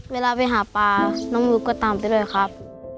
เวลาไปหาปลาน้องหนูก็ตามไปเลยครับ